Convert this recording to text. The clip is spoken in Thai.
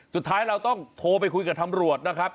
สุดท้ายเราต้องโทรไปคุยกับตำรวจนะครับ